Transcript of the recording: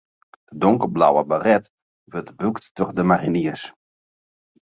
De donkerblauwe baret wurdt brûkt troch de mariniers.